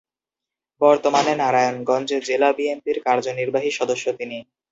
বর্তমানে নারায়ণগঞ্জ জেলা বিএনপির কার্যনির্বাহী সদস্য তিনি।